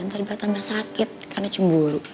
ntar dibawa tambah sakit karena cemburu